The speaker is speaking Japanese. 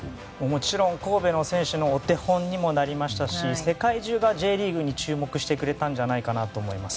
もちろん神戸の選手のお手本にもなりましたし世界中がＪリーグに注目してくれたんじゃないかなと思います。